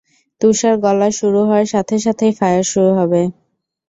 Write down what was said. তুষার গলা শুরু হওয়ার সাথে সাথেই ফায়ার শুরু হবে।